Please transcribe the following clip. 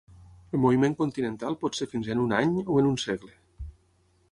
El moviment continental pot ser fins a en un any, o en un segle.